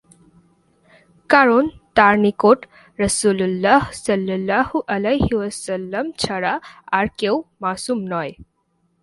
কারণ তাঁর নিকট রাসূলুল্লাহ সাল্লাল্লাহু আলাইহি ওয়াসাল্লাম ছাড়া আর কেউ মাসূম নয়।